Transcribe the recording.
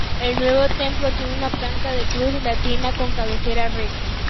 El nuevo templo tiene planta de cruz latina con cabecera recta.